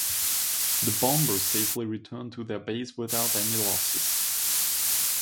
The bombers safely returned to their base without any losses.